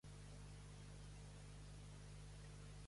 Què s'ha pogut percebre alguna cosa d'aquestes nimfes?